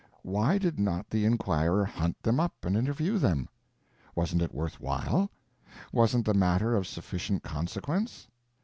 Why did not the inquirer hunt them up and interview them? Wasn't it worth while? Wasn't the matter of sufficient consequence?